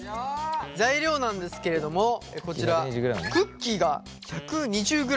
材料なんですけれどもこちらクッキーが１２０ｇ。